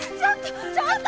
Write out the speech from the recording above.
ちょっと！